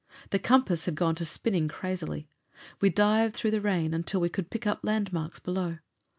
The compass had gone to spinning crazily; we dived through the rain until we could pick up landmarks below.